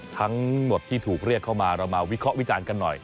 ทั้งหมดที่ถูกเรียกเข้ามาเรามาวิเคราะห์วิจารณ์กันหน่อย